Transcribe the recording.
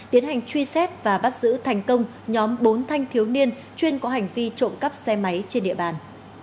tiến hành truy xét và bắt giữ thành công nhóm bốn thanh thiếu niên chuyên có hành vi trộm cắp xe máy trên địa bàn